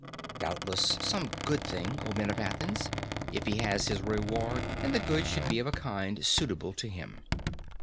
Doubtless some good thing, O men of Athens, if he has his reward; and the good should be of a kind suitable to him.